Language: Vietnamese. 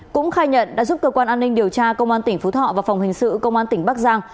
cũng khai nhận đã giúp cơ quan an ninh điều tra công an tỉnh phú thọ và phòng hình sự công an tỉnh bắc giang